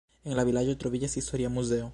En la vilaĝo troviĝas historia muzeo.